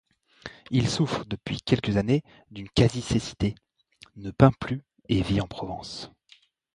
Il souffre depuis quelques années d'une quasi-cécité, ne peint plus et vit en Provence.